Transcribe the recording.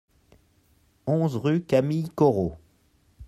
onze rue Camille Corot